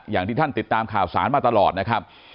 อย่างที่ท่านติดตามข่าวสารมาตลอดนะครับ